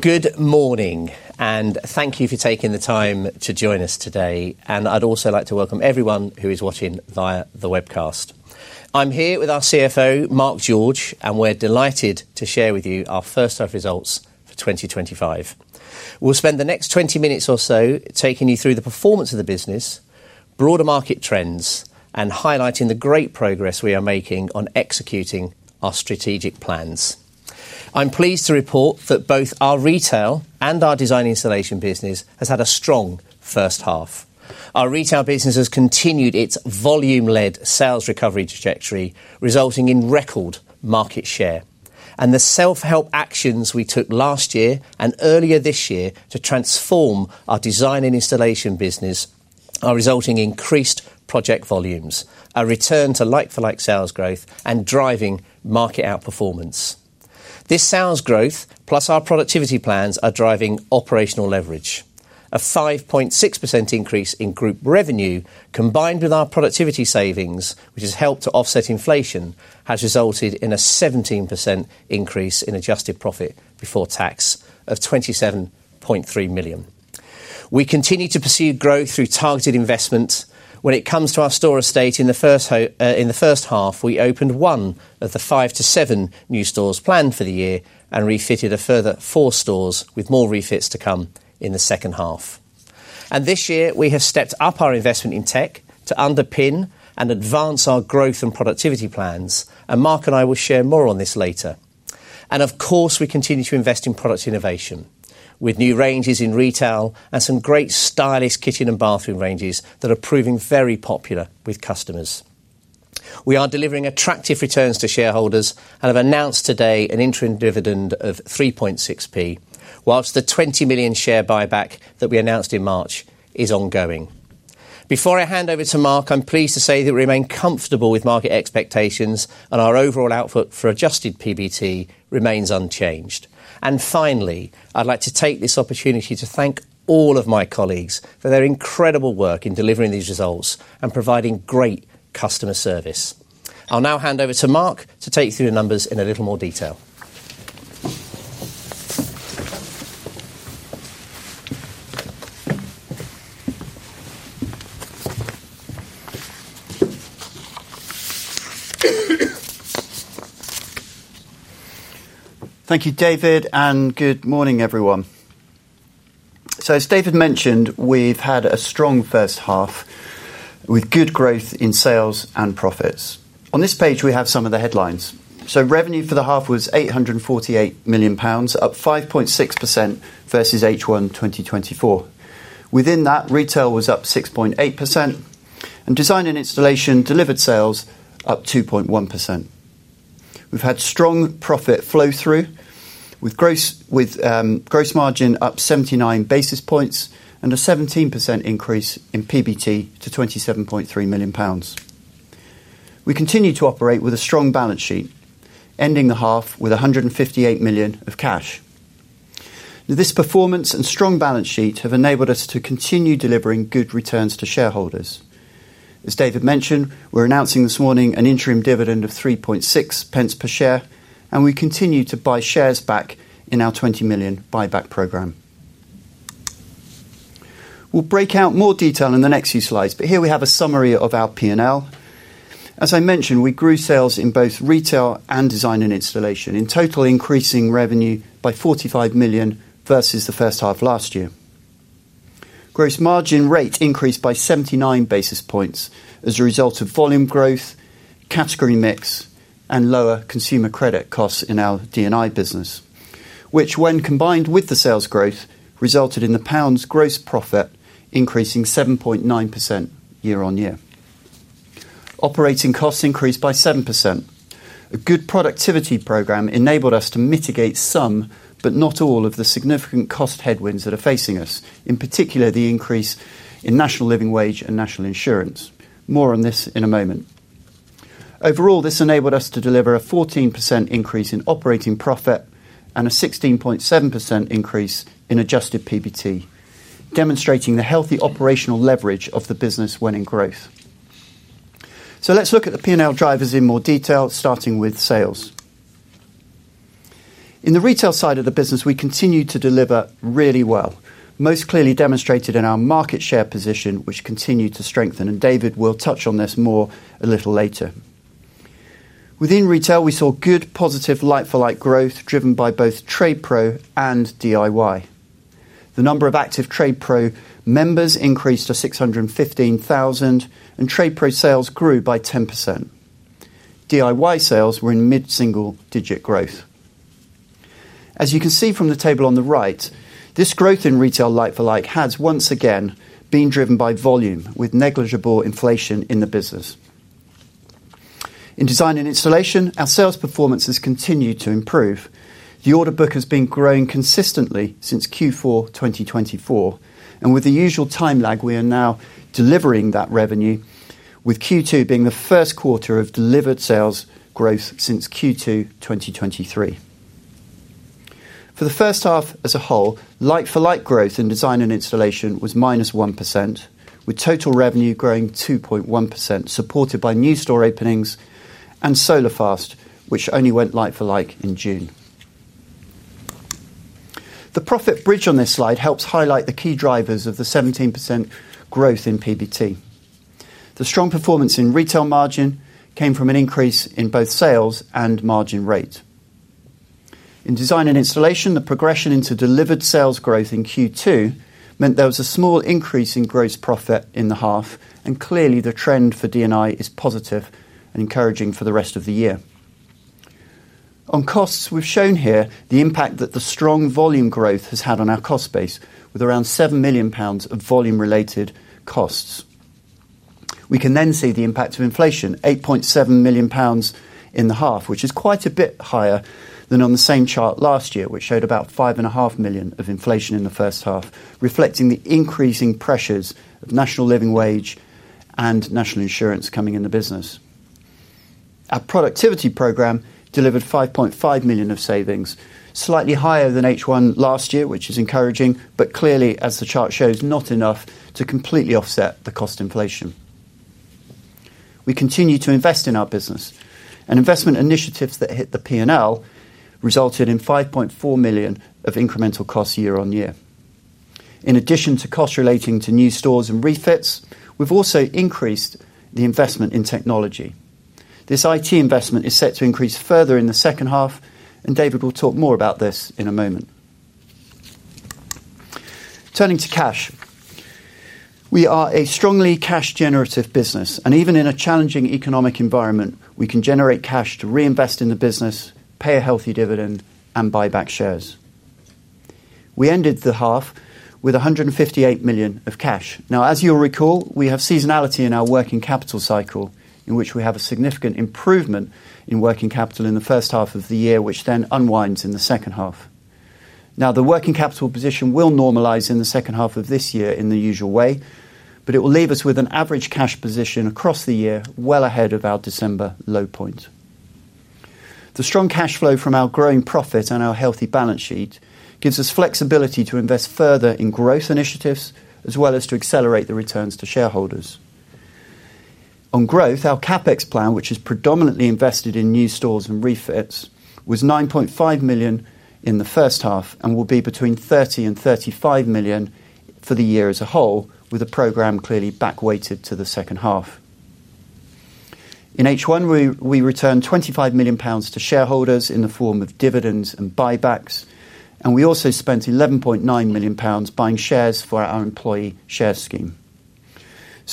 Good morning, and thank you for taking the time to join us today. I'd also like to welcome everyone who is watching via the webcast. I'm here with our CFO, Mark George, and we're delighted to share with you our first half results for 2025. We'll spend the next 20 minutes or so taking you through the performance of the business, broader market trends, and highlighting the great progress we are making on executing our strategic plans. I'm pleased to report that both our retail and our design & installation business have had a strong first half. Our retail business has continued its volume-led sales recovery trajectory, resulting in record market share. The self-help actions we took last year and earlier this year to transform our design & installation business are resulting in increased project volumes, a return to like-for-like sales growth, and driving market outperformance. This sales growth, plus our productivity plans, are driving operational leverage. A 5.6% increase in group revenue, combined with our productivity savings, which has helped to offset inflation, has resulted in a 17% increase in adjusted profit before tax of 27.3 million. We continue to pursue growth through targeted investments. When it comes to our store estate in the first half, we opened one of the five to seven new stores planned for the year and refitted a further four stores with more refits to come in the second half. This year, we have stepped up our investment in tech to underpin and advance our growth and productivity plans. Mark and I will share more on this later. Of course, we continue to invest in product innovation with new ranges in retail and some great stylish kitchen and bathroom ranges that are proving very popular with customers. We are delivering attractive returns to shareholders and have announced today an interim dividend of 3.6p, whilst the 20 million share buyback that we announced in March is ongoing. Before I hand over to Mark, I'm pleased to say that we remain comfortable with market expectations and our overall outlook for adjusted PBT remains unchanged. Finally, I'd like to take this opportunity to thank all of my colleagues for their incredible work in delivering these results and providing great customer service. I'll now hand over to Mark to take you through the numbers in a little more detail. Thank you, David, and good morning, everyone. As David mentioned, we've had a strong first half with good growth in sales and profits. On this page, we have some of the headlines. Revenue for the half was 848 million pounds, up 5.6% versus H1 2024. Within that, retail was up 6.8%, and design & installation delivered sales up 2.1%. We've had strong profit flow-through with gross margin up 79 basis points and a 17% increase in PBT to 27.3 million pounds. We continue to operate with a strong balance sheet, ending the half with 158 million of cash. This performance and strong balance sheet have enabled us to continue delivering good returns to shareholders. As David mentioned, we're announcing this morning an interim dividend of 0.036 per share, and we continue to buy shares back in our 20 million buyback program. We'll break out more detail in the next few slides, but here we have a summary of our P&L. As I mentioned, we grew sales in both retail and design & installation, in total increasing revenue by 45 million versus the first half last year. Gross margin rate increased by 79 basis points as a result of volume growth, category mix, and lower consumer credit costs in our D&I business, which when combined with the sales growth resulted in the pound's gross profit increasing 7.9% year on year. Operating costs increased by 7%. A good productivity program enabled us to mitigate some, but not all, of the significant cost headwinds that are facing us, in particular the increase in national living wage and national insurance. More on this in a moment. Overall, this enabled us to deliver a 14% increase in operating profit and a 16.7% increase in adjusted PBT, demonstrating the healthy operational leverage of the business when in growth. Let's look at the P&L drivers in more detail, starting with sales. In the retail side of the business, we continue to deliver really well, most clearly demonstrated in our market share position, which continued to strengthen, and David will touch on this more a little later. Within retail, we saw good positive like-for-like growth driven by both TradePro and DIY. The number of active TradePro members increased to 615,000, and TradePro sales grew by 10%. DIY sales were in mid-single-digit growth. As you can see from the table on the right, this growth in retail like-for-like has, once again, been driven by volume with negligible inflation in the business. In design and installation, our sales performance has continued to improve. The order book has been growing consistently since Q4 2024, and with the usual time lag, we are now delivering that revenue, with Q2 being the first quarter of delivered sales growth since Q2 2023. For the first half as a whole, like-for-like growth in design and installation was -1%, with total revenue growing 2.1%, supported by new store openings and SolarFast, which only went like-for-like in June. The profit bridge on this slide helps highlight the key drivers of the 17% growth in PBT. The strong performance in retail margin came from an increase in both sales and margin rate. In design and installation, the progression into delivered sales growth in Q2 meant there was a small increase in gross profit in the half, and clearly the trend for D&I is positive and encouraging for the rest of the year. On costs, we've shown here the impact that the strong volume growth has had on our cost base, with around 7 million pounds of volume-related costs. We can then see the impact of inflation, 8.7 million pounds in the half, which is quite a bit higher than on the same chart last year, which showed about 5.5 million of inflation in the first half, reflecting the increasing pressures of national living wage and national insurance coming in the business. Our productivity program delivered 5.5 million of savings, slightly higher than H1 last year, which is encouraging, but clearly, as the chart shows, not enough to completely offset the cost inflation. We continue to invest in our business, and investment initiatives that hit the P&L resulted in 5.4 million of incremental costs year on year. In addition to costs relating to new stores and refits, we've also increased the investment in technology. This IT investment is set to increase further in the second half, and David will talk more about this in a moment. Turning to cash, we are a strongly cash-generative business, and even in a challenging economic environment, we can generate cash to reinvest in the business, pay a healthy dividend, and buy back shares. We ended the half with 158 million of cash. Now, as you'll recall, we have seasonality in our working capital cycle, in which we have a significant improvement in working capital in the first half of the year, which then unwinds in the second half. Now, the working capital position will normalize in the second half of this year in the usual way, but it will leave us with an average cash position across the year well ahead of our December low points. The strong cash flow from our growing profit and our healthy balance sheet gives us flexibility to invest further in growth initiatives, as well as to accelerate the returns to shareholders. On growth, our CapEx plan, which is predominantly invested in new stores and refits, was 9.5 million in the first half and will be between 30 million and 35 million for the year as a whole, with the program clearly back-weighted to the second half. In H1, we returned 25 million pounds to shareholders in the form of dividends and buybacks, and we also spent 11.9 million pounds buying shares for our employee share scheme.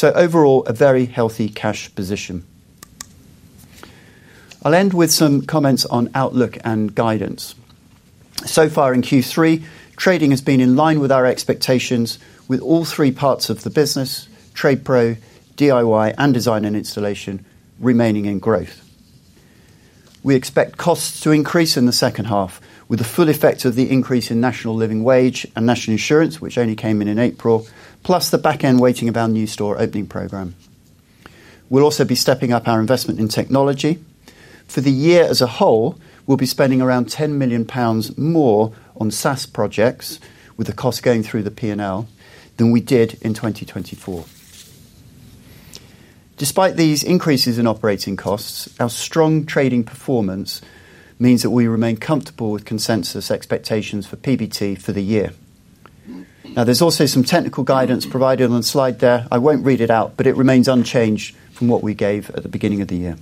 Overall, a very healthy cash position. I'll end with some comments on outlook and guidance. So far in Q3, trading has been in line with our expectations, with all three parts of the business, TradePro, DIY, and design & installation remaining in growth. We expect costs to increase in the second half, with the full effect of the increase in national living wage and national insurance, which only came in in April, plus the back-end weighting of our new store opening program. We'll also be stepping up our investment in technology. For the year as a whole, we'll be spending around 10 million pounds more on SaaS projects, with the costs going through the P&L than we did in 2024. Despite these increases in operating costs, our strong trading performance means that we remain comfortable with consensus expectations for PBT for the year. Now, there's also some technical guidance provided on the slide there. I won't read it out, but it remains unchanged from what we gave at the beginning of the year.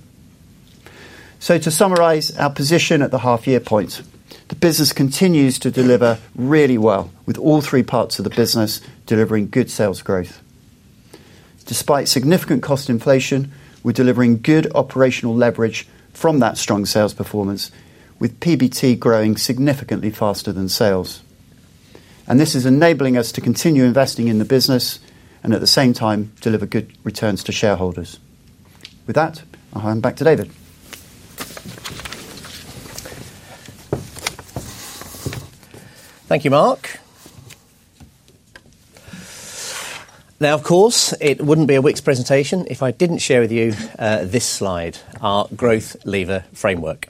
To summarize our position at the half-year point, the business continues to deliver really well, with all three parts of the business delivering good sales growth. Despite significant cost inflation, we're delivering good operational leverage from that strong sales performance, with PBT growing significantly faster than sales. This is enabling us to continue investing in the business and, at the same time, deliver good returns to shareholders. With that, I'll hand back to David. Thank you, Mark. Now, of course, it wouldn't be a Wickes presentation if I didn't share with you this slide, our growth lever framework.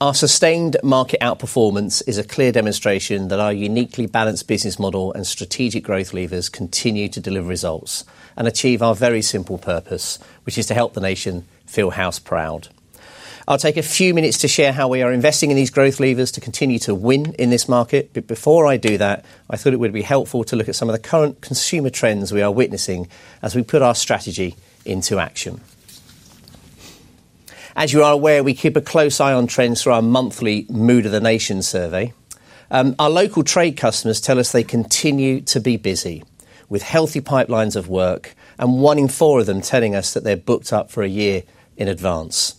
Our sustained market outperformance is a clear demonstration that our uniquely balanced business model and strategic growth levers continue to deliver results and achieve our very simple purpose, which is to help the nation feel house proud. I'll take a few minutes to share how we are investing in these growth levers to continue to win in this market. Before I do that, I thought it would be helpful to look at some of the current consumer trends we are witnessing as we put our strategy into action. As you are aware, we keep a close eye on trends through our monthly Mood of the Nation survey. Our local trade customers tell us they continue to be busy, with healthy pipelines of work and one in four of them telling us that they're booked up for a year in advance.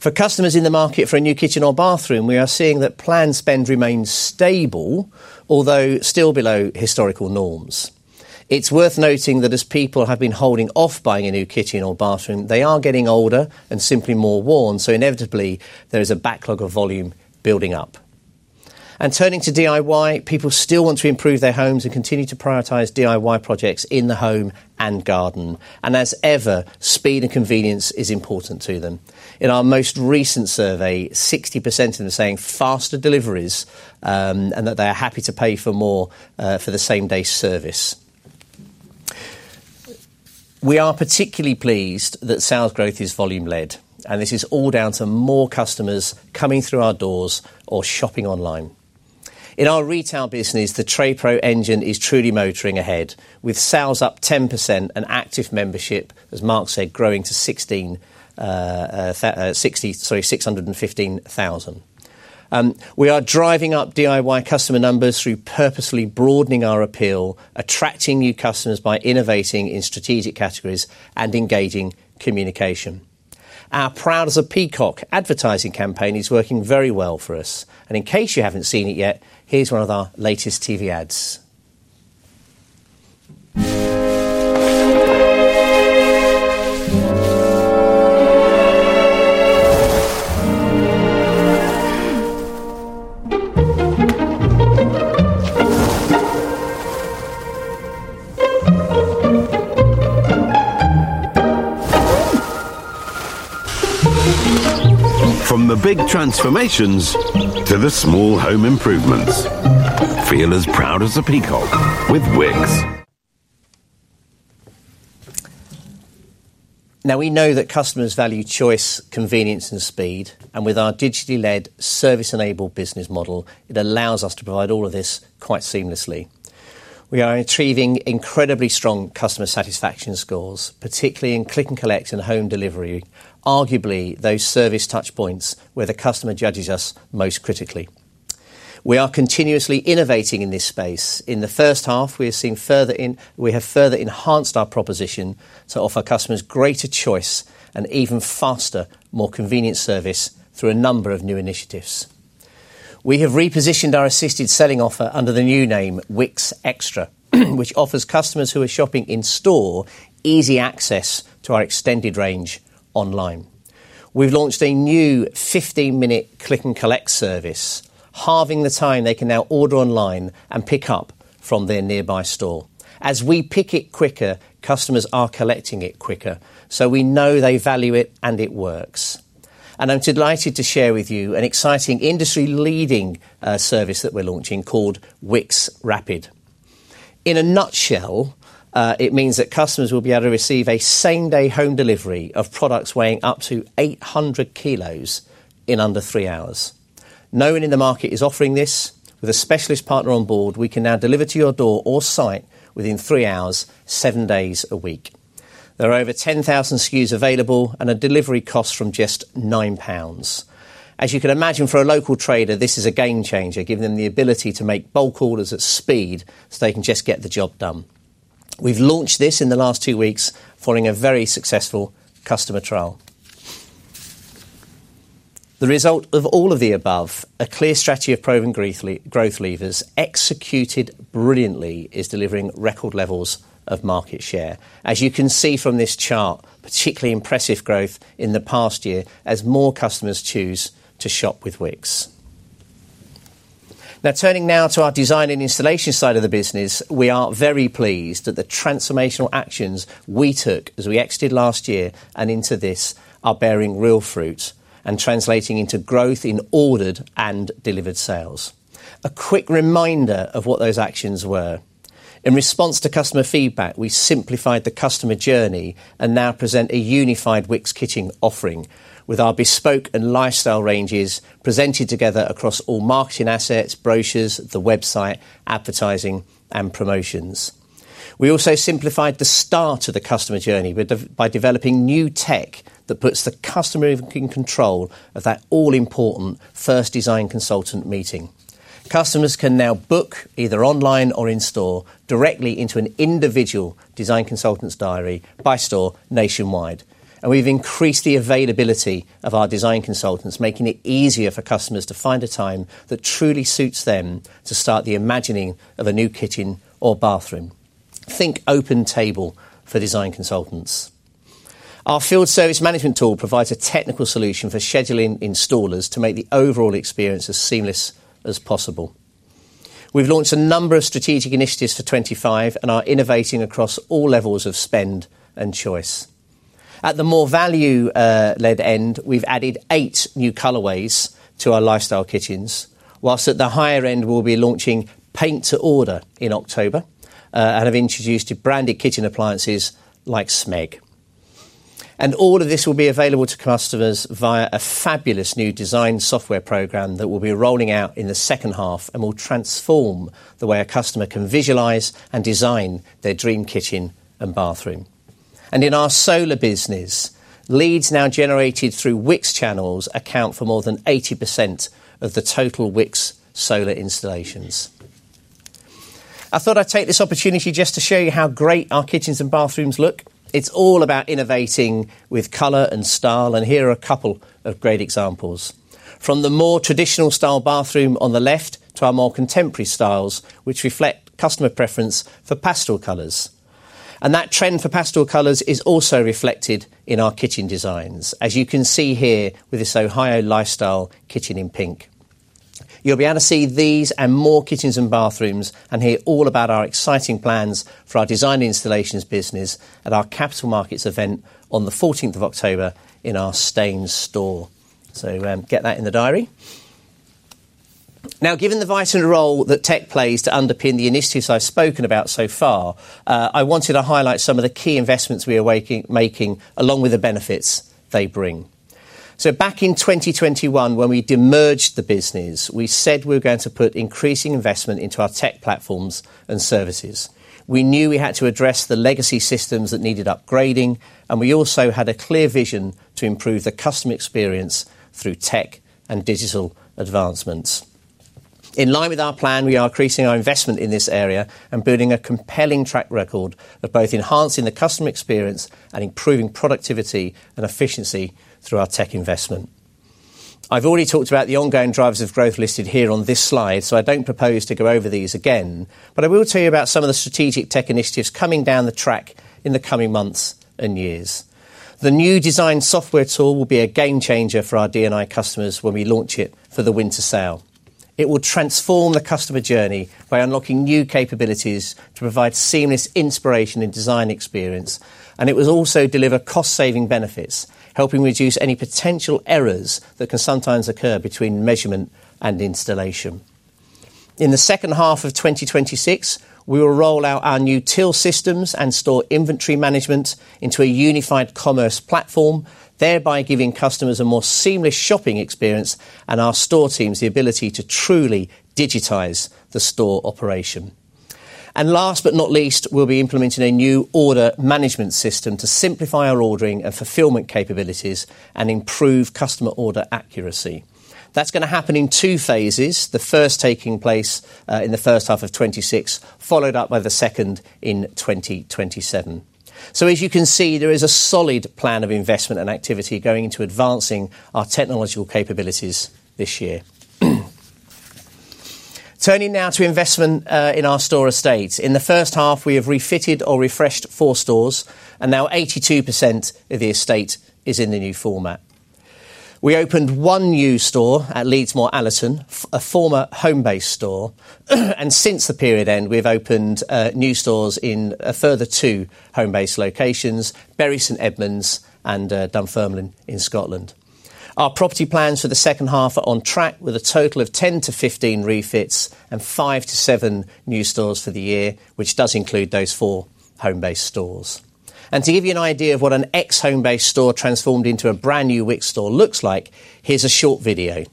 For customers in the market for a new kitchen or bathroom, we are seeing that planned spend remains stable, although still below historical norms. It's worth noting that as people have been holding off buying a new kitchen or bathroom, they are getting older and simply more worn, so inevitably there is a backlog of volume building up. Turning to DIY, people still want to improve their homes and continue to prioritize DIY projects in the home and garden. As ever, speed and convenience are important to them. In our most recent survey, 60% are saying faster deliveries and that they are happy to pay more for the same-day service. We are particularly pleased that sales growth is volume-led, and this is all down to more customers coming through our doors or shopping online. In our retail business, the TradePro engine is truly motoring ahead, with sales up 10% and active membership, as Mark said, growing to 615,000. We are driving up DIY customer numbers through purposely broadening our appeal, attracting new customers by innovating in strategic categories and engaging communication. Our Proud of Peacock advertising campaign is working very well for us, and in case you haven't seen it yet, here's one of our latest TV ads. From the big transformations to the small home improvements, feel as proud as a peacock with Wickes. Now, we know that customers value choice, convenience, and speed, and with our digitally led service-enabled business model, it allows us to provide all of this quite seamlessly. We are achieving incredibly strong customer satisfaction scores, particularly in click & collect and home delivery, arguably those service touch points where the customer judges us most critically. We are continuously innovating in this space. In the first half, we have further enhanced our proposition to offer customers greater choice and even faster, more convenient service through a number of new initiatives. We have repositioned our assisted selling offer under the new name Wickes Extra, which offers customers who are shopping in-store easy access to our extended range online. We've launched a new 15-minute click & collect service, halving the time they can now order online and pick up from their nearby store. As we pick it quicker, customers are collecting it quicker, so we know they value it and it works. I'm delighted to share with you an exciting industry-leading service that we're launching called Wickes Rapid. In a nutshell, it means that customers will be able to receive a same-day home delivery of products weighing up to 800 kg in under three hours. No one in the market is offering this. With a specialist partner on board, we can now deliver to your door or site within three hours, seven days a week. There are over 10,000 SKUs available and a delivery cost from just 9 pounds. As you can imagine, for a local trader, this is a game changer, giving them the ability to make bulk orders at speed so they can just get the job done. We've launched this in the last two weeks following a very successful customer trial. The result of all of the above, a clear strategy of proven growth levers executed brilliantly, is delivering record levels of market share. As you can see from this chart, particularly impressive growth in the past year as more customers choose to shop with Wickes. Now, turning now to our design & installation side of the business, we are very pleased that the transformational actions we took as we exited last year and into this are bearing real fruit and translating into growth in ordered and delivered sales. A quick reminder of what those actions were. In response to customer feedback, we simplified the customer journey and now present a unified Wickes kitchen offering with our bespoke and lifestyle ranges presented together across all marketing assets, brochures, the website, advertising, and promotions. We also simplified the start of the customer journey by developing new tech that puts the customer in control of that all-important first design consultant meeting. Customers can now book either online or in-store directly into an individual design consultant's diary by store nationwide. We've increased the availability of our design consultants, making it easier for customers to find a time that truly suits them to start the imagining of a new kitchen or bathroom. Think OpenTable for design consultants. Our field service management tool provides a technical solution for scheduling installers to make the overall experience as seamless as possible. We've launched a number of strategic initiatives for 2025 and are innovating across all levels of spend and choice. At the more value-led end, we've added eight new colorways to our lifestyle kitchens, whilst at the higher end we'll be launching paint to order in October and have introduced branded kitchen appliances like Smeg. All of this will be available to customers via a fabulous new design software program that we'll be rolling out in the second half and will transform the way a customer can visualize and design their dream kitchen and bathroom. In our solar business, leads now generated through Wickes channels account for more than 80% of the total Wickes solar installations. I thought I'd take this opportunity just to show you how great our kitchens and bathrooms look. It's all about innovating with color and style, and here are a couple of great examples. From the more traditional style bathroom on the left to our more contemporary styles, which reflect customer preference for pastel colors. That trend for pastel colors is also reflected in our kitchen designs, as you can see here with this Ohio lifestyle kitchen in pink. You'll be able to see these and more kitchens and bathrooms and hear all about our exciting plans for our design installations business at our Capital Markets event on the 14th of October in our Staines store. Get that in the diary. Now, given the vital role that tech plays to underpin the initiatives I've spoken about so far, I wanted to highlight some of the key investments we are making along with the benefits they bring. Back in 2021, when we demerged the business, we said we were going to put increasing investment into our tech platforms and services. We knew we had to address the legacy systems that needed upgrading, and we also had a clear vision to improve the customer experience through tech and digital advancements. In line with our plan, we are increasing our investment in this area and building a compelling track record of both enhancing the customer experience and improving productivity and efficiency through our tech investment. I've already talked about the ongoing drivers of growth listed here on this slide, so I don't propose to go over these again, but I will tell you about some of the strategic tech initiatives coming down the track in the coming months and years. The new design software tool will be a game changer for our D&I customers when we launch it for the winter sale. It will transform the customer journey by unlocking new capabilities to provide seamless inspiration and design experience, and it will also deliver cost-saving benefits, helping reduce any potential errors that can sometimes occur between measurement and installation. In the second half of 2026, we will roll out our new till systems and store inventory management into a unified commerce platform, thereby giving customers a more seamless shopping experience and our store teams the ability to truly digitize the store operation. Last but not least, we'll be implementing a new order management system to simplify our ordering and fulfillment capabilities and improve customer order accuracy. That's going to happen in two phases, the first taking place in the first half of 2026, followed up by the second in 2027. As you can see, there is a solid plan of investment and activity going into advancing our technological capabilities this year. Turning now to investment in our store estates, in the first half, we have refitted or refreshed four stores, and now 82% of the estate is in the new format. We opened one new store at Leeds Moore Allison, a former Homebase store, and since the period end, we've opened new stores in a further two Homebase locations, Bury St Edmunds, England and Dunfermline in Scotland. Our property plans for the second half are on track with a total of 10-15 refits and five to seven new stores for the year, which does include those four Homebase stores. To give you an idea of what an ex-home-based store transformed into a brand new Wickes store looks like, here's a short video.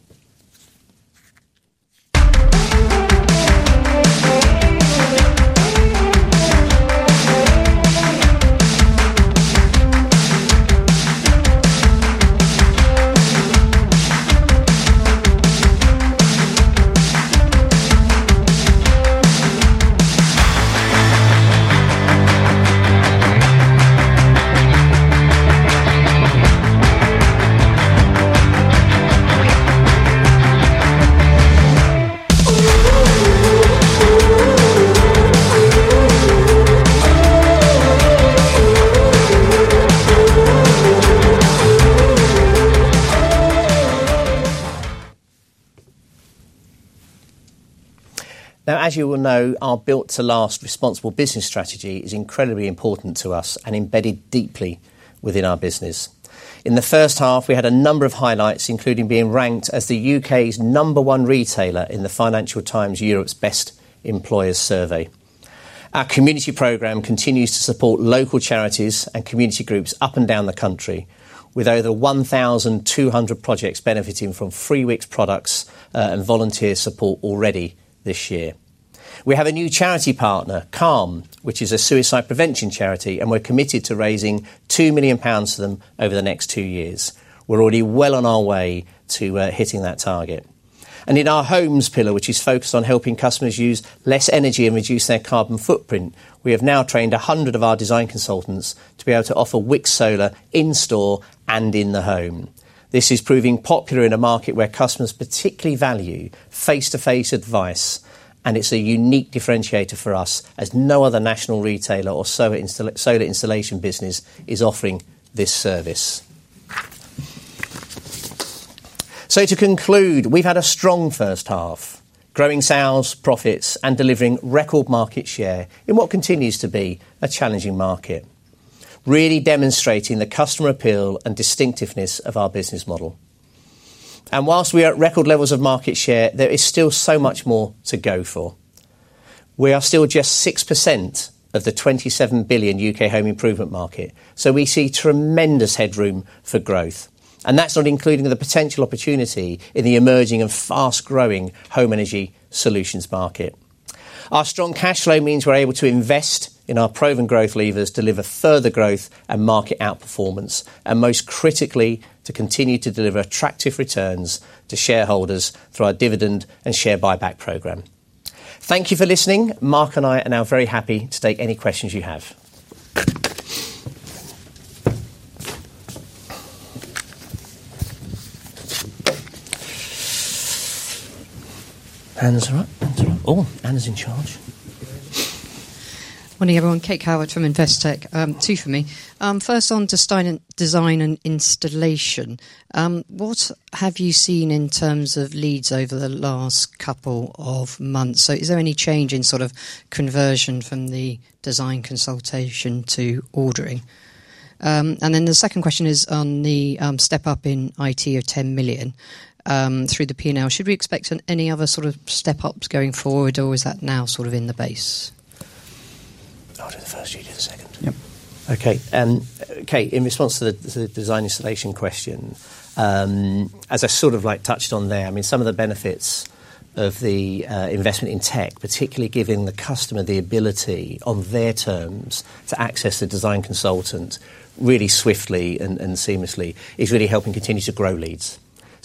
Now, as you will know, our built-to-last responsible business strategy is incredibly important to us and embedded deeply within our business. In the first half, we had a number of highlights, including being ranked as the UK's number one retailer in the Financial Times Europe's Best Employer survey. Our community program continues to support local charities and community groups up and down the country, with over 1,200 projects benefiting from free Wickes products and volunteer support already this year. We have a new charity partner, CALM, which is a suicide prevention charity, and we're committed to raising 2 million pounds for them over the next two years. We're already well on our way to hitting that target. In our homes pillar, which is focused on helping customers use less energy and reduce their carbon footprint, we have now trained 100 of our design consultants to be able to offer Wickes solar in-store and in the home. This is proving popular in a market where customers particularly value face-to-face advice, and it's a unique differentiator for us as no other national retailer or solar installation business is offering this service. To conclude, we've had a strong first half, growing sales, profits, and delivering record market share in what continues to be a challenging market, really demonstrating the customer appeal and distinctiveness of our business model. Whilst we are at record levels of market share, there is still so much more to go for. We are still just 6% of the 27 billion UK home improvement market, so we see tremendous headroom for growth, and that's not including the potential opportunity in the emerging and fast-growing home energy solutions market. Our strong cash flow means we're able to invest in our proven growth levers, deliver further growth and market outperformance, and most critically, to continue to deliver attractive returns to shareholders through our dividend and share buyback program. Thank you for listening. Mark and I are now very happy to take any questions you have. Anna's in charge. Morning everyone, Kate Calvert from Investec, two from me. First on to design & installation. What have you seen in terms of leads over the last couple of months? Is there any change in sort of conversion from the design consultation to ordering? The second question is on the step up in IT of 10 million through the P&L. Should we expect any other sort of step ups going forward, or is that now sort of in the base? I'll do the first, you do the second. Okay. In response to the design & installation question, as I sort of touched on there, I mean some of the benefits of the investment in tech, particularly giving the customer the ability on their terms to access a design consultant really swiftly and seamlessly, is really helping continue to grow leads.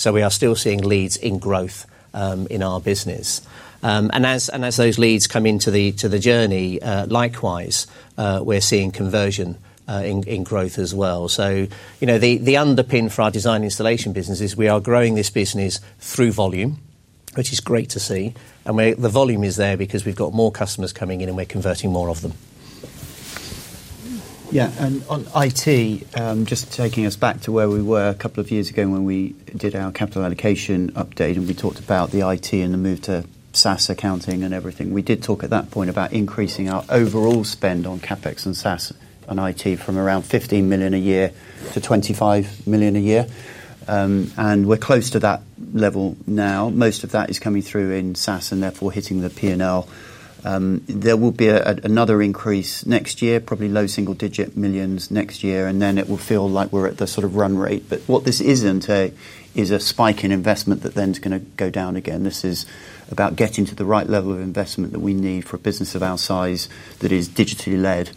We are still seeing leads in growth in our business. As those leads come into the journey, likewise, we're seeing conversion in growth as well. The underpin for our design & installation business is we are growing this business through volume, which is great to see, and the volume is there because we've got more customers coming in and we're converting more of them. On IT, just taking us back to where we were a couple of years ago when we did our capital allocation update and we talked about the IT and the move to SaaS accounting and everything, we did talk at that point about increasing our overall spend on CapEx and SaaS and IT from around 15 million a year to 25 million a year. We're close to that level now. Most of that is coming through in SaaS and therefore hitting the P&L. There will be another increase next year, probably low single-digit millions next year, and then it will feel like we're at the sort of run rate. What this isn't is a spike in investment that then is going to go down again. This is about getting to the right level of investment that we need for a business of our size that is digitally led.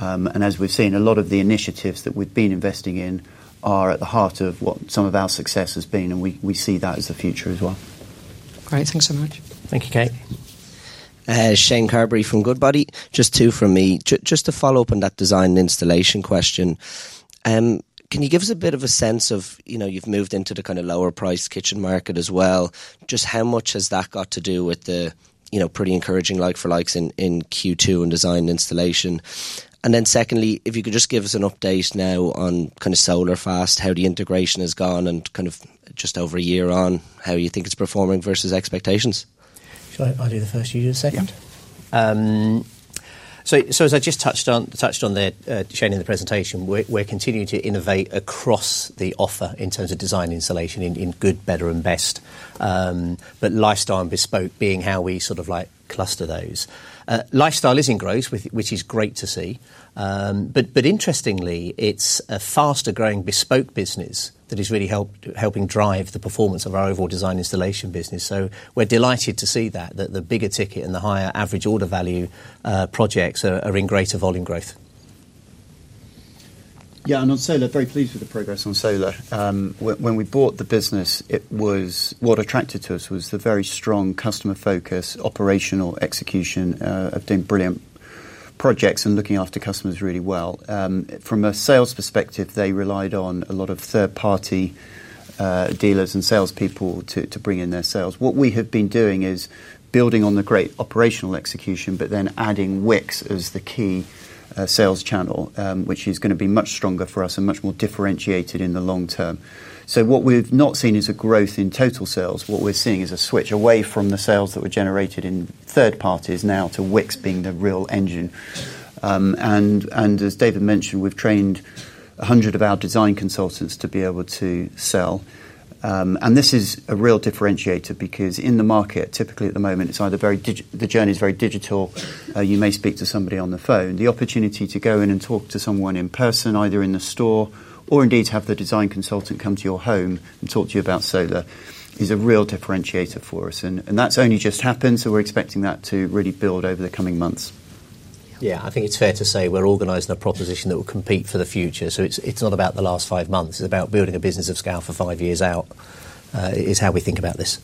As we've seen, a lot of the initiatives that we've been investing in are at the heart of what some of our success has been, and we see that as a future as well. Great, thanks so much. Thank you, Kate. Shane Carberry from Goodbody, just two from me. Just to follow up on that design & installation question, can you give us a bit of a sense of, you know, you've moved into the kind of lower price kitchen market as well. Just how much has that got to do with the pretty encouraging like-for-likes in Q2 and design & installation? Secondly, if you could just give us an update now on SolarFast, how the integration has gone and kind of just over a year on, how you think it's performing versus expectations? Sure.I'll do the first, you do the second. As I just touched on there, Shane, in the presentation, we're continuing to innovate across the offer in terms of design & installation in good, better, and best, with lifestyle and bespoke being how we sort of cluster those. Lifestyle is in growth, which is great to see. Interestingly, it's a faster growing bespoke business that is really helping drive the performance of our overall design & installation business. We're delighted to see that the bigger ticket and the higher average order value projects are in greater volume growth. On solar, I'm very pleased with the progress on solar. When we bought the business, what attracted to us was the very strong customer focus, operational execution, doing brilliant projects, and looking after customers really well. From a sales perspective, they relied on a lot of third-party dealers and salespeople to bring in their sales. What we have been doing is building on the great operational execution, but then adding Wickes as the key sales channel, which is going to be much stronger for us and much more differentiated in the long term. What we've not seen is a growth in total sales. What we're seeing is a switch away from the sales that were generated in third parties now to Wickes being the real engine. As David mentioned, we've trained 100 of our design consultants to be able to sell. This is a real differentiator because in the market, typically at the moment, the journey is very digital. You may speak to somebody on the phone. The opportunity to go in and talk to someone in person, either in the store or indeed have the design consultant come to your home and talk to you about solar, is a real differentiator for us. That's only just happened, so we're expecting that to really build over the coming months. Yeah, I think it's fair to say we're organizing a proposition that will compete for the future. It's not about the last five months. It's about building a business of scale for five years out, is how we think about this.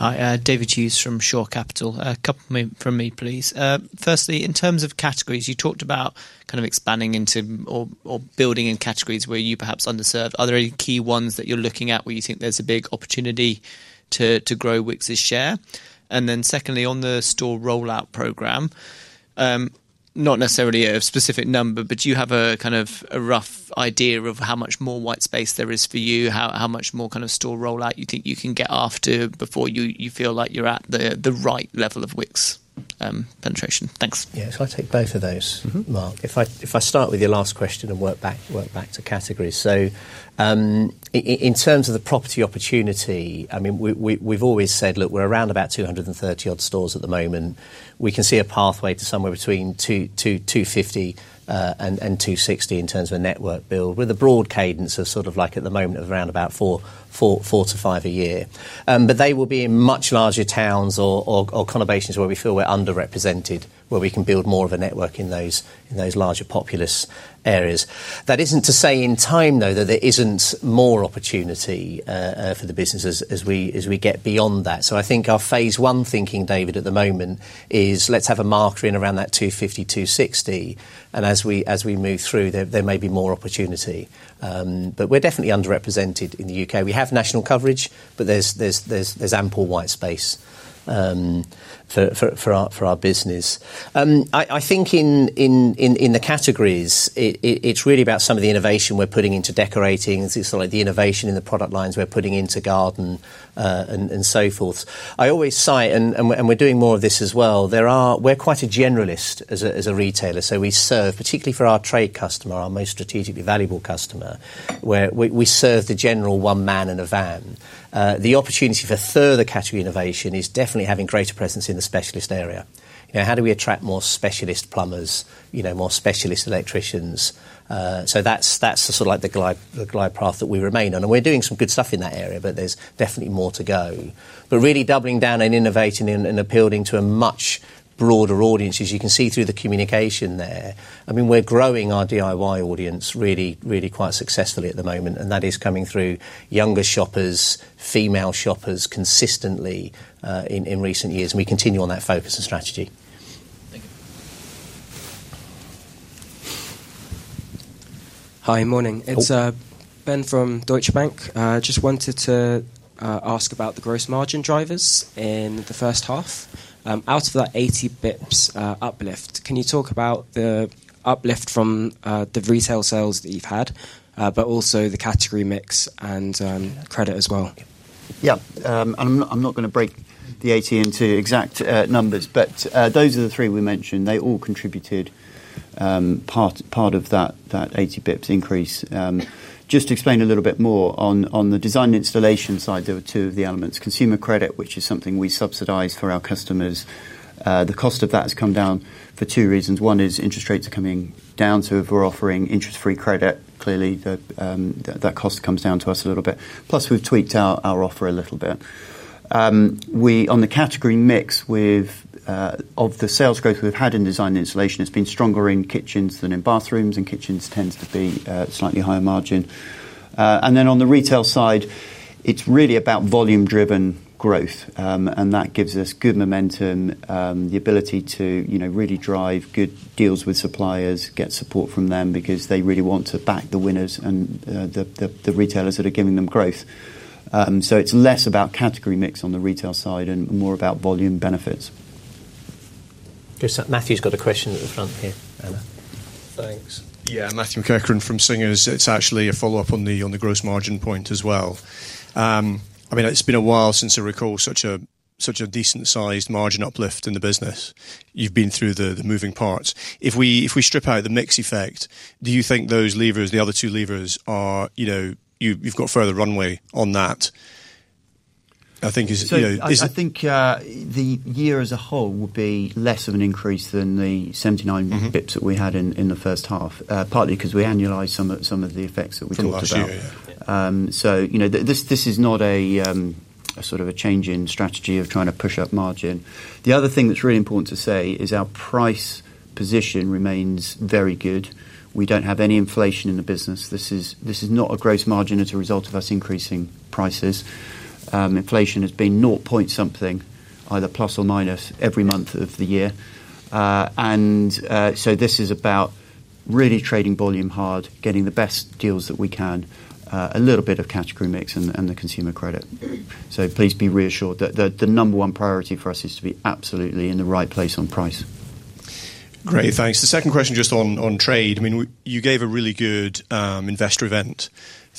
David Hughes from Shore Capital. A couple from me, please. Firstly, in terms of categories, you talked about kind of expanding into or building in categories where you perhaps underserve. Are there any key ones that you're looking at where you think there's a big opportunity to grow Wickes's share? Secondly, on the store rollout program, not necessarily a specific number, but do you have a kind of rough idea of how much more white space there is for you, how much more kind of store rollout you think you can get after before you feel like you're at the right level of Wickes penetration? Thanks. Yeah, so I take both of those, Mark. If I start with your last question and work back to categories. In terms of the property opportunity, we've always said, look, we're around about 230 odd stores at the moment. We can see a pathway to somewhere between 250 and 260 in terms of a network build with a broad cadence of sort of like at the moment of around about four to five a year. They will be in much larger towns or conurbations where we feel we're underrepresented, where we can build more of a network in those larger populous areas. That isn't to say in time though that there isn't more opportunity for the business as we get beyond that. I think our phase one thinking, David, at the moment is let's have a marker in around that 250, 260, and as we move through, there may be more opportunity. We're definitely underrepresented in the UK. We have national coverage, but there's ample white space for our business. I think in the categories, it's really about some of the innovation we're putting into decoratings, the innovation in the product lines we're putting into garden, and so forth. I always cite and we're doing more of this as well. We're quite a generalist as a retailer, so we serve, particularly for our trade customer, our most strategically valuable customer, where we serve the general one man in a van. The opportunity for further category innovation is definitely having greater presence in the specialist area. How do we attract more specialist plumbers, more specialist electricians? That's the glide path that we remain on. We're doing some good stuff in that area, but there's definitely more to go. We're really doubling down and innovating and appealing to a much broader audience, as you can see through the communication there. We're growing our DIY audience really quite successfully at the moment, and that is coming through younger shoppers, female shoppers consistently in recent years, and we continue on that focus and strategy. Hi, morning. It's Ben from Deutsche Bank. I just wanted to ask about the gross margin drivers in the first half. Out of that 80 basis points uplift, can you talk about the uplift from the retail sales that you've had, but also the category mix and credit as well? Yeah, I'm not going to break the 80 basis points into exact numbers, but those are the three we mentioned. They all contributed part of that 80 basis points increase. Just to explain a little bit more on the design & installation side, there were two of the elements. Consumer credit, which is something we subsidize for our customers, the cost of that has come down for two reasons. One is interest rates are coming down, so if we're offering interest-free credit, clearly that cost comes down to us a little bit. Plus, we've tweaked our offer a little bit. On the category mix of the sales growth we've had in design & installation, it's been stronger in kitchens than in bathrooms, and kitchens tend to be slightly higher margin. On the retail side, it's really about volume-driven growth, and that gives us good momentum, the ability to really drive good deals with suppliers, get support from them because they really want to back the winners and the retailers that are giving them growth. It's less about category mix on the retail side and more about volume benefits. Matthew's got a question at the front here. Thanks. Yeah, Matthew from Singer Capital Markets, it's actually a follow-up on the gross margin point as well. It's been a while since I recall such a decent sized margin uplift in the business. You've been through the moving parts. If we strip out the mix effect, do you think those levers, the other two levers, you've got further runway on that? I think the year as a whole will be less of an increase than the 79 basis points that we had in the first half, partly because we annualized some of the effects that we've lost. This is not a sort of a change in strategy of trying to push up margin. The other thing that's really important to say is our price position remains very good. We don't have any inflation in the business. This is not a gross margin as a result of us increasing prices. Inflation has been 0.% something, either plus or minus every month of the year. This is about really trading volume hard, getting the best deals that we can, a little bit of category mix and the consumer credit. Please be reassured that the number one priority for us is to be absolutely in the right place on price. Great, thanks. The second question just on trade. You gave a really good investor event,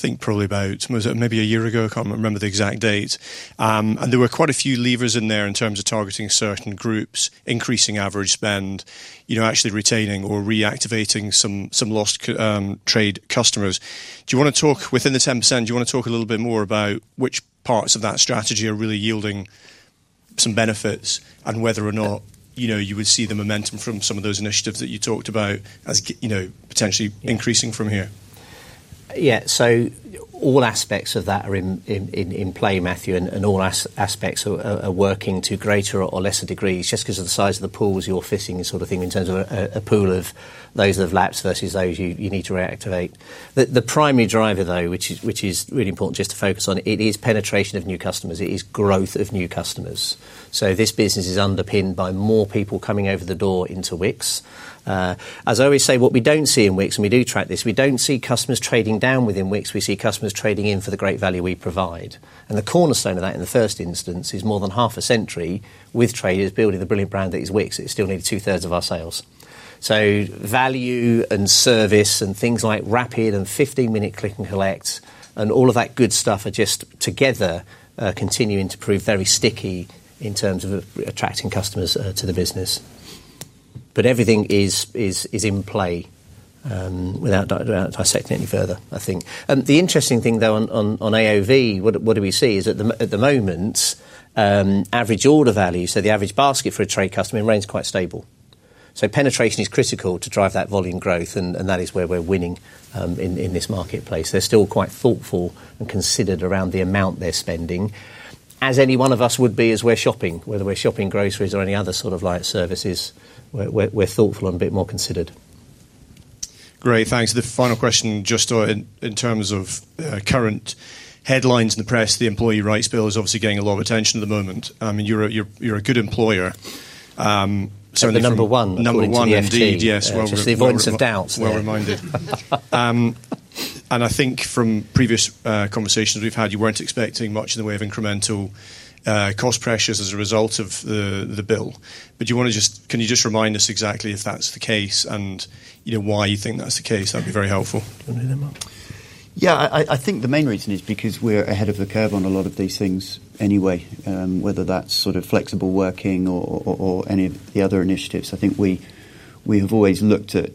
I think probably about maybe a year ago, I can't remember the exact date. There were quite a few levers in there in terms of targeting certain groups, increasing average spend, actually retaining or reactivating some lost trade customers. Do you want to talk within the 10%, do you want to talk a little bit more about which parts of that strategy are really yielding some benefits, and whether or not you would see the momentum from some of those initiatives that you talked about as potentially increasing from here? Yeah, all aspects of that are in play, Matthew, and all aspects are working to greater or lesser degrees just because of the size of the pools you're fitting in terms of a pool of those that have lapsed versus those you need to reactivate. The primary driver, though, which is really important just to focus on, it is penetration of new customers. It is growth of new customers. This business is underpinned by more people coming over the door into Wickes. As I always say, what we don't see in Wickes, and we do track this, we don't see customers trading down within Wickes. We see customers trading in for the great value we provide. The cornerstone of that in the first instance is more than half a century with traders building the brilliant brand that is Wickes. It still needs two-thirds of our sales. Value and service and things like Rapid and 15-minute click & collect and all of that good stuff are just together continuing to prove very sticky in terms of attracting customers to the business. Everything is in play without dissecting any further, I think. The interesting thing, though, on AOV, what do we see is at the moment, average order values, so the average basket for a trade customer remains quite stable. Penetration is critical to drive that volume growth, and that is where we're winning in this marketplace. They're still quite thoughtful and considered around the amount they're spending, as any one of us would be as we're shopping, whether we're shopping groceries or any other sort of services. We're thoughtful and a bit more considered. Great, thanks. The final question, just in terms of current headlines in the press, the employee rights bill is obviously getting a lot of attention at the moment. You're a good employer. The number one. Number one indeed, yes. Just for the avoidance of doubt. I think from previous conversations we've had, you weren't expecting much in the way of incremental cost pressures as a result of the bill. Can you just remind us exactly if that's the case and why you think that's the case? That'd be very helpful. Yeah, I think the main reason is because we're ahead of the curve on a lot of these things anyway, whether that's flexible working or any of the other initiatives. I think we have always looked at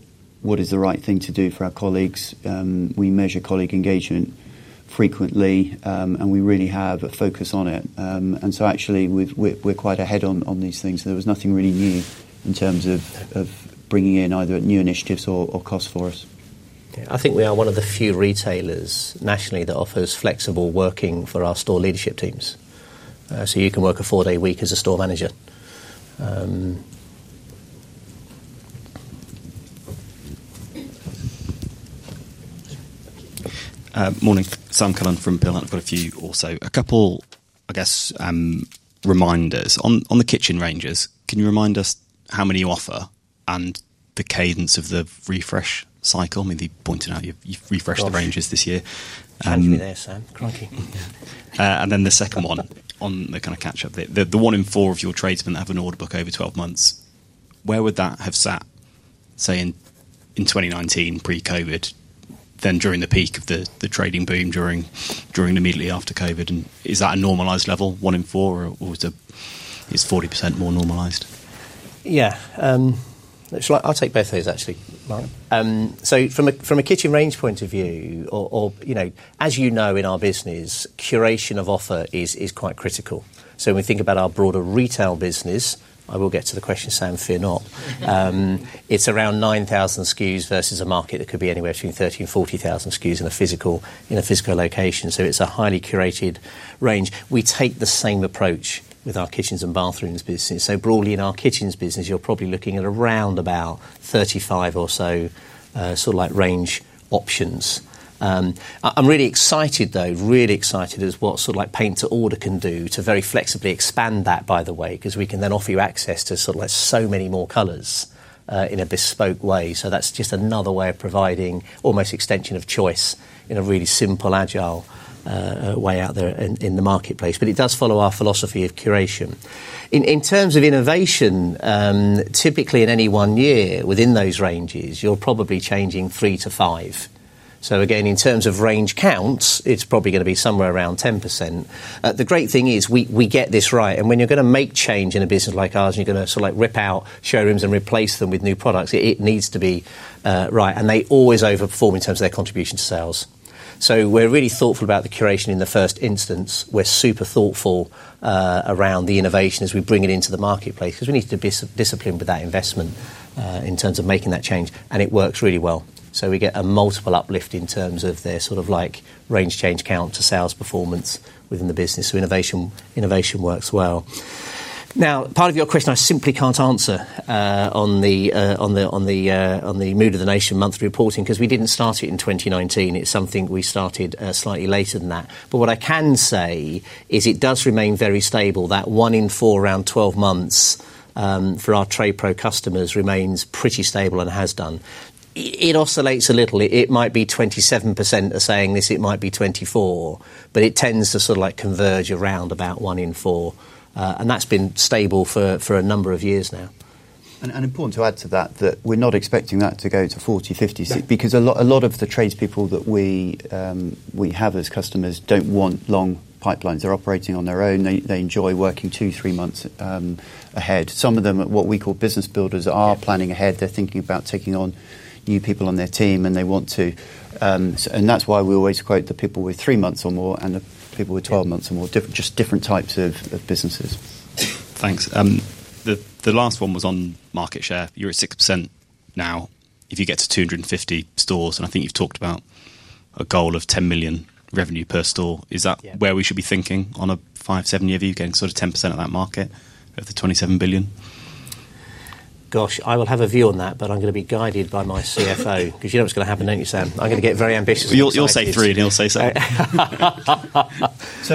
what is the right thing to do for our colleagues. We measure colleague engagement frequently, and we really have a focus on it. Actually, we're quite ahead on these things. There was nothing really new in terms of bringing in either new initiatives or costs for us. I think we are one of the few retailers nationally that offers flexible working for our store leadership teams. You can work a four-day week as a store manager. Morning. Some come in from Bill, and I've got a few also. A couple, I guess, reminders on the kitchen ranges. Can you remind us how many you offer and the cadence of the refresh cycle? Maybe pointing out you've refreshed the ranges this year. There, Sam, cranky. Then the second one on the kind of catch-up, the one in four of your tradesmen have an order book over 12 months. Where would that have sat, say in 2019, pre-COVID, then during the peak of the trading boom, during immediately after COVID? Is that a normalized level, one in four, or is 40% more normalized? I'll take both of those, actually, Mark. From a kitchen range point of view, or as you know, in our business, curation of offer is quite critical. When we think about our broader retail business, I will get to the question, Sam, fear not. It's around 9,000 SKUs versus a market that could be anywhere between 30,000 and 40,000 SKUs in a physical location. It's a highly curated range. We take the same approach with our kitchens and bathrooms business. Broadly in our kitchens business, you're probably looking at around about 35 or so sort of range options. I'm really excited though, really excited as what sort of paint to order can do to very flexibly expand that, by the way, because we can then offer you access to so many more colors in a bespoke way. That's just another way of providing almost extension of choice in a really simple, agile way out there in the marketplace. It does follow our philosophy of curation. In terms of innovation, typically in any one year within those ranges, you're probably changing three to five. In terms of range counts, it's probably going to be somewhere around 10%. The great thing is we get this right. When you're going to make change in a business like ours and you're going to rip out showrooms and replace them with new products, it needs to be right, and they always overperform in terms of their contribution to sales. We're really thoughtful about the curation in the first instance. We're super thoughtful around the innovation as we bring it into the marketplace because we need to be disciplined with that investment in terms of making that change, and it works really well. We get a multiple uplift in terms of their range change count to sales performance within the business. Innovation works well. Part of your question I simply can't answer on the Mood of the Nation monthly reporting because we didn't start it in 2019. It's something we started slightly later than that. What I can say is it does remain very stable. That one in four around 12 months for our TradePro customers remains pretty stable and has done. It oscillates a little. It might be 27% are saying this, it might be 24%, but it tends to sort of converge around about one in four, and that's been stable for a number of years now. is important to add to that that we're not expecting that to go to 40%, 50%. Because a lot of the tradespeople that we have as customers don't want long pipelines. They're operating on their own. They enjoy working two, three months ahead. Some of them are what we call business builders, are planning ahead. They're thinking about taking on new people on their team, and they want to. That's why we always quote the people with three months or more and the people with 12 months or more, just different types of businesses. Thanks. The last one was on market share. You're at 6% now. If you get to 250 stores, and I think you've talked about a goal of 10 million revenue per store, is that where we should be thinking on a five, seven-year view, getting 10% of that market of the 27 billion? Gosh. I will have a view on that, but I'm going to be guided by my CFO because you know what's going to happen, don't you, Sam? I'm going to get very ambitious. You'll say three and he'll say something.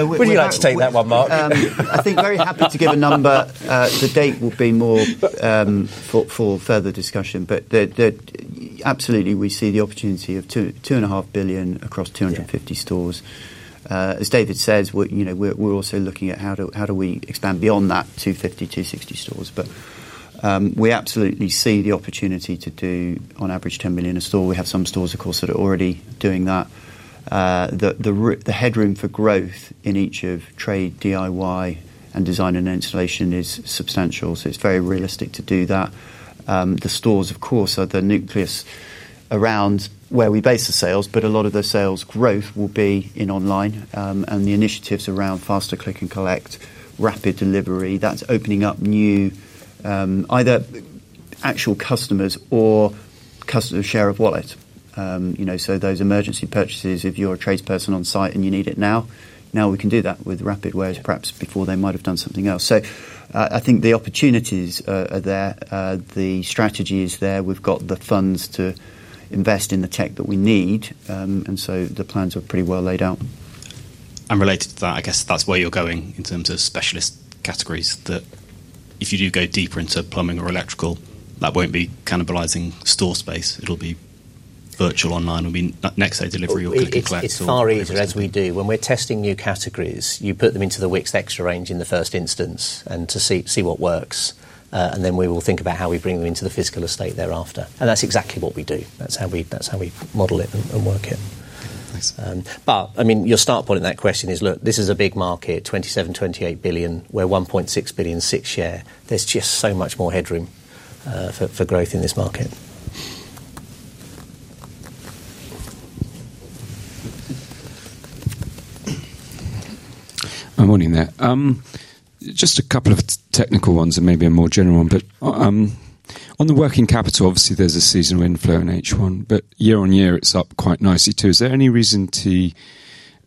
Would you like to take that one, Mark? I think very happy to give a number. The date will be more for further discussion, but absolutely we see the opportunity of 2.5 billion across 250 stores. As David says, we're also looking at how do we expand beyond that 250, 260 stores. We absolutely see the opportunity to do on average 10 million a store. We have some stores, of course, that are already doing that. The headroom for growth in each of trade, DIY, and design & installation is substantial, so it's very realistic to do that. The stores, of course, are the nucleus around where we base the sales, but a lot of the sales growth will be in online and the initiatives around faster click & collect, rapid delivery. That's opening up new either actual customers or customers' share of wallet. Those emergency purchases, if you're a tradesperson on site and you need it now, now we can do that with Wickes Rapid, whereas perhaps before they might have done something else. I think the opportunities are there. The strategy is there. We've got the funds to invest in the tech that we need, and so the plans are pretty well laid out. Related to that, I guess that's where you're going in terms of specialist categories. If you do go deeper into plumbing or electrical, that won't be cannibalizing store space. It'll be virtual online. It'll be next-day delivery or click & collect. It's far easier as we do. When we're testing new categories, you put them into the Wickes Extra range in the first instance to see what works, and then we will think about how we bring them into the physical estate thereafter. That's exactly what we do. That's how we model it and work it. Your start point in that question is, look, this is a big market, 27 billion, 28 billion. We're 1.6 billion, 6% share. There's just so much more headroom for growth in this market. Morning there. Just a couple of technical ones and maybe a more general one. On the working capital, obviously there's a seasonal inflow in H1, but year on year it's up quite nicely too. Is there any reason to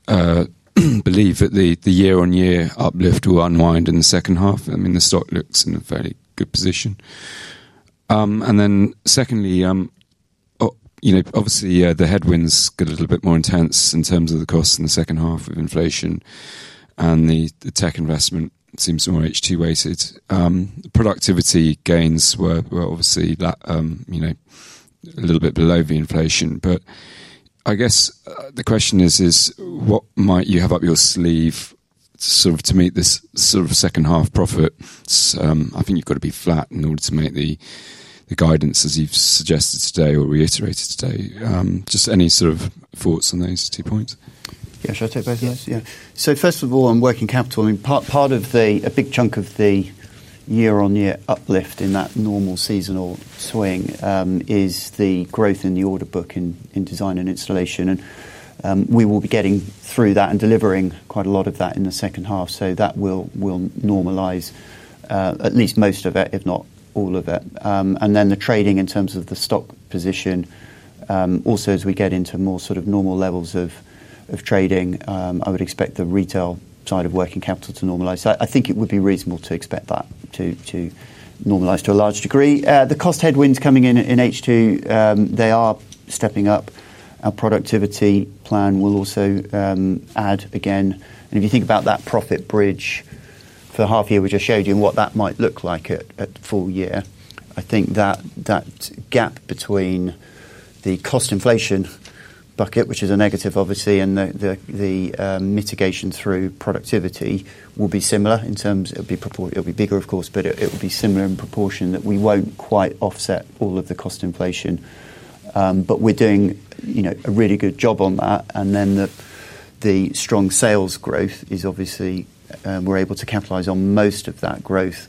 believe that the year-on-year uplift will unwind in the second half? I mean the stock looks in a very good position. Secondly, obviously the headwinds get a little bit more intense in terms of the cost in the second half of inflation, and the tech investment seems more H2 weighted. The productivity gains were obviously a little bit below the inflation, but I guess the question is what might you have up your sleeve to meet this sort of second half profit? I think you've got to be flat in order to make the guidance as you've suggested today or reiterated today. Just any sort of thoughts on those two points? Yeah, sure, I'll take both of those. First of all, on working capital, part of a big chunk of the year-on-year uplift in that normal seasonal swing is the growth in the order book in design & installation. We will be getting through that and delivering quite a lot of that in the second half, so that will normalize at least most of it, if not all of it. The trading in terms of the stock position, also as we get into more sort of normal levels of trading, I would expect the retail side of working capital to normalize. I think it would be reasonable to expect that to normalize to a large degree. The cost headwinds coming in in H2, they are stepping up. Our productivity plan will also add again. If you think about that profit bridge for the half year we just showed you and what that might look like at full year, I think that gap between the cost inflation bucket, which is a negative obviously, and the mitigation through productivity will be similar in terms of it'll be bigger, of course, but it'll be similar in proportion that we won't quite offset all of the cost inflation. We're doing a really good job on that, and the strong sales growth is obviously we're able to capitalize on most of that growth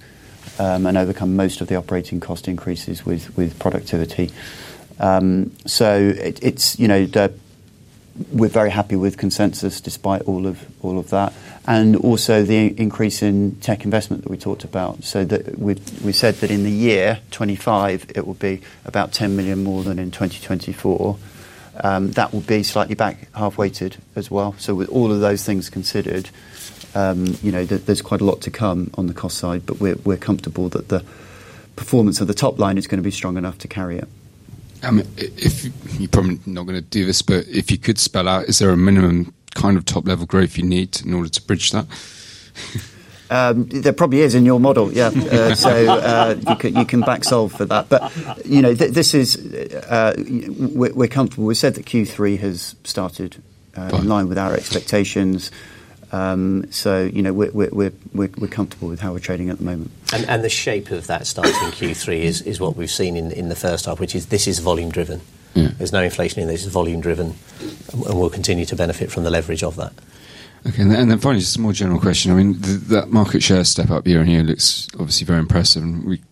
and overcome most of the operating cost increases with productivity. We're very happy with consensus despite all of that. Also, the increase in tech investment that we talked about. We said that in the year 2025, it will be about 10 million more than in 2024. That will be slightly back half-weighted as well. With all of those things considered, there's quite a lot to come on the cost side, but we're comfortable that the performance of the top line is going to be strong enough to carry it. You're probably not going to do this, but if you could spell out, is there a minimum kind of top-level growth you need in order to bridge that? There probably is in your model. You can backsolve for that. We're comfortable. We said that Q3 has started in line with our expectations. We're comfortable with how we're trading at the moment. The shape of that starting Q3 is what we've seen in the first half, which is this is volume-driven. There's no inflation in this. It's volume-driven, and we'll continue to benefit from the leverage of that. Finally, just a more general question. I mean that market share step up year on year, it's obviously very impressive.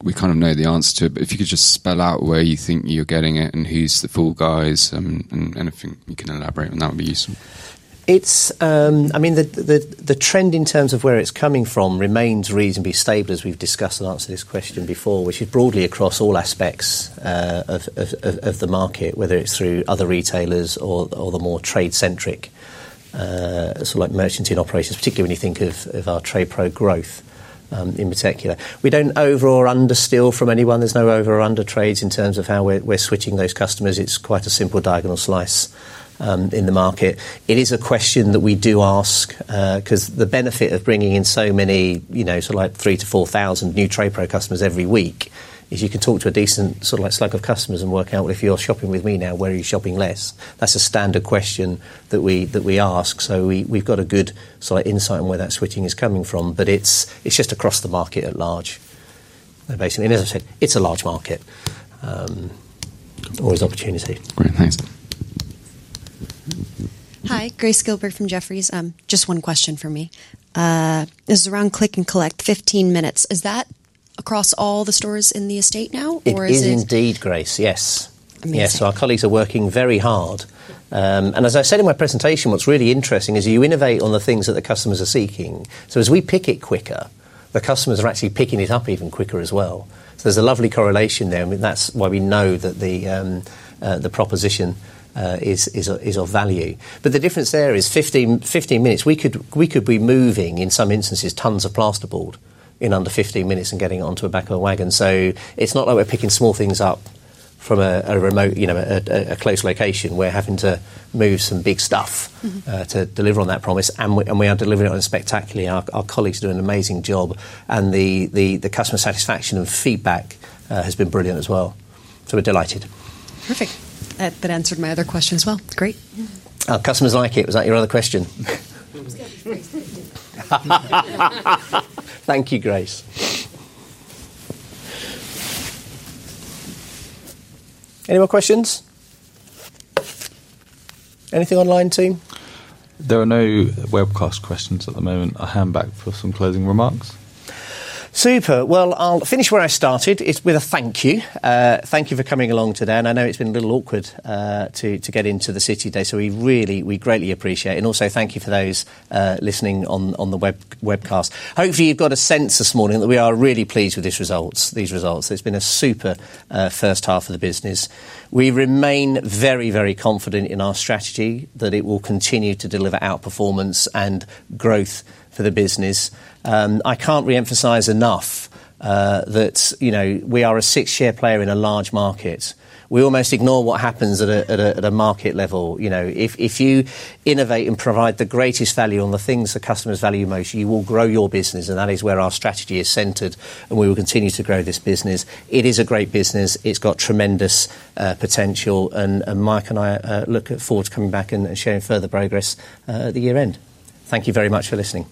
We kind of know the answer to it, but if you could just spell out where you think you're getting it and who's the fall guys, and anything you can elaborate on, that would be useful. I mean the trend in terms of where it's coming from remains reasonably stable, as we've discussed the answer to this question before, which is broadly across all aspects of the market, whether it's through other retailers or the more trade-centric merchant operations, particularly when you think of our TradePro growth in particular. We don't over or under steal from anyone. There's no over or under trades in terms of how we're switching those customers. It's quite a simple diagonal slice in the market. It is a question that we do ask because the benefit of bringing in so many 3,000-4,000 new TradePro customers every week is you could talk to a decent stack of customers and work out if you're shopping with me now, where are you shopping less? That's a standard question that we ask. We've got a good insight on where that switching is coming from, but it's just across the market at large. Basically, as I said, it's a large market. Always opportunity. Great, thanks. Hi, Grace Gilberg from Jefferies. Just one question for me. This is around click & collect 15 minutes. Is that across all the stores in the estate now? It is indeed, Grace. Yes. Our colleagues are working very hard. As I said in my presentation, what's really interesting is you innovate on the things that the customers are seeking. As we pick it quicker, the customers are actually picking it up even quicker as well. There's a lovely correlation there. That's why we know that the proposition is of value. The difference there is 15 minutes. We could be moving in some instances tons of plasterboard in under 15 minutes and getting it onto a back of a wagon. It's not like we're picking small things up from a remote, a close location. We're having to move some big stuff to deliver on that promise, and we are delivering it spectacularly. Our colleagues do an amazing job, and the customer satisfaction and feedback has been brilliant as well, so we're delighted. Perfect. That answered my other question as well. Great. Our customers like it. Was that your other question? Thank you, Grace. Any more questions? Anything online, team? There are no webcast questions at the moment. I hand back for some closing remarks. Super. I'll finish where I started with a thank you. Thank you for coming along today, and I know it's been a little awkward to get into the city today, so we greatly appreciate it. Also, thank you for those listening on the webcast. Hopefully, you've got a sense this morning that we are really pleased with these results. It's been a super first half of the business. We remain very, very confident in our strategy that it will continue to deliver outperformance and growth for the business. I can't reemphasize enough that we are a six-share player in a large market. We almost ignore what happens at a market level. If you innovate and provide the greatest value on the things the customers value most, you will grow your business, and that is where our strategy is centered, and we will continue to grow this business. It is a great business. It's got tremendous potential, and Mark and I look forward to coming back and sharing further progress at the year end. Thank you very much for listening.